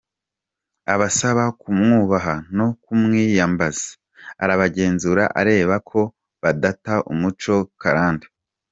Abasaba kumwubaha no kumwiyambaza, arabagenzura areba ko badata umuco karande.